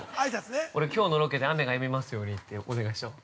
◆俺、きょうのロケで雨がやみますようにってお願いしたもん。